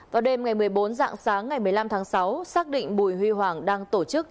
vào đêm ngày một mươi bốn dạng sáng ngày một mươi năm tháng sáu xác định bùi huy hoàng đang tổ chức